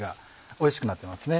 おいしくなってますね。